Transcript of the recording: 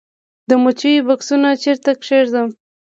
د مچیو بکسونه چیرته کیږدم؟